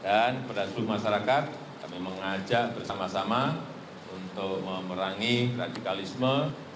dan kepada seluruh masyarakat kami mengajak bersama sama untuk memerangi radikalisme